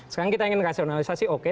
sekarang kita ingin kasihonalisasi oke